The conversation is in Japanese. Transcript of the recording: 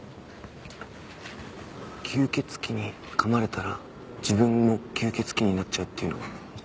吸血鬼に噛まれたら自分も吸血鬼になっちゃうっていうのは？